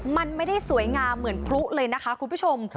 มันไม่ได้สวยงามเหมือนพลุเลยนะคะคุณผู้ชม